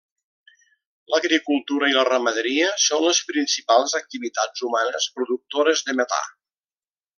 L'agricultura i la ramaderia són les principals activitats humanes productores de metà.